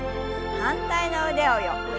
反対の腕を横。